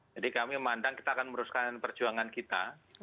jadi kami memandang kita akan merusakan perjuangan kita